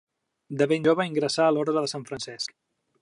De ben jove ingressà en l'orde de Sant Francesc.